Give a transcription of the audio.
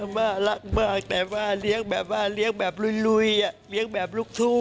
มารักมากแต่มาเลี้ยงแบบลุยเลี้ยงแบบลุกทุก